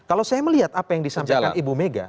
kalau saya melihat apa yang disampaikan ibu mega